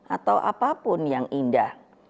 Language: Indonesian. atau apapun yang indah